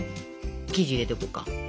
生地入れていこうか。